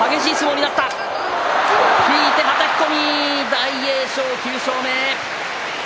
大栄翔９勝目。